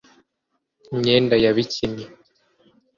Imyenda ya Bikini